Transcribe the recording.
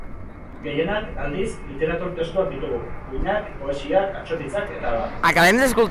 Gehienak, aldiz, literatur testuak ditugu, ipuinak, poesiak, atsotitzak eta abar.